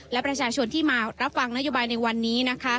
และประชาชนที่มารับฟังนโยบายในวันนี้นะคะ